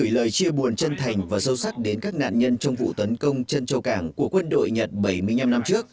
tôi xin gửi lời chia buồn chân thành và sâu sắc đến các nạn nhân trong vụ tấn công trần châu cảng của quân đội nhật bảy mươi năm năm trước